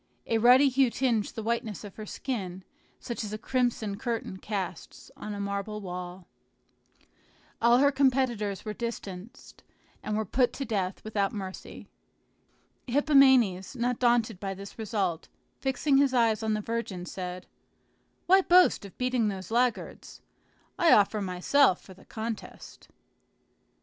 A ruddy hue tinged the whiteness of her skin, such as a crimson curtain casts on a marble wall. All her competitors were distanced, and were put to death without mercy. Hippomenes, not daunted by this result, fixing his eyes on the virgin, said, "Why boast of beating those laggards? I offer myself for the contest."